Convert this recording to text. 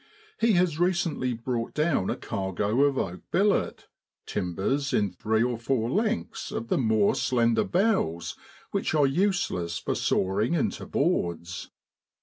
He has recently brought down a cargo of oak billet timbers 66 JULY IN BROADLAND. in three or four feet lengths of the more slender boughs which are useless for saw ing into boards.